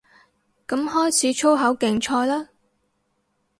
噉開始粗口競賽嘞